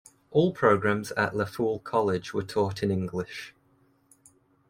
All programs at Lafoole College were taught in English.